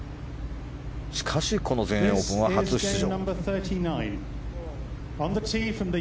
しかし、この全英オープンは初出場。